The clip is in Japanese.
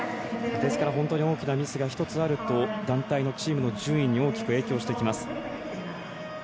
ですから本当に大きなミスが１つあると団体のチームの順位に大きく影響してきます。